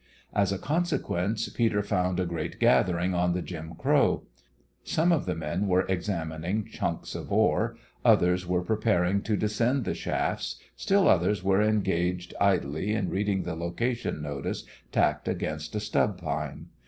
As a consequence Peter found a great gathering on the Jim Crow. Some of the men were examining chunks of ore, others were preparing to descend the shafts, still others were engaged idly in reading the location notice tacked against a stub pine.